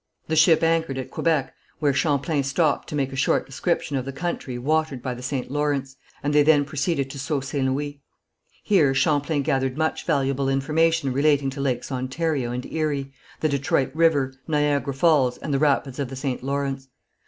The ship anchored at Quebec where Champlain stopped to make a short description of the country watered by the St. Lawrence, and they then proceeded to Sault St. Louis. Here Champlain gathered much valuable information relating to lakes Ontario and Erie, the Detroit River, Niagara Falls, and the rapids of the St. Lawrence.